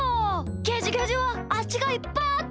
ゲジゲジはあしがいっぱいあっていいなあ！